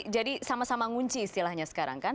jadi sama sama ngunci istilahnya sekarang kan